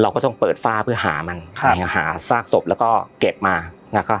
ก็ต้องเปิดฝ้าเพื่อหามันหาซากศพแล้วก็เก็บมานะคะ